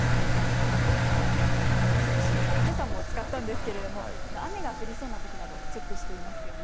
私自身もけさも使ったんですけれども雨が降りそうなときなど、チェックしていますよね。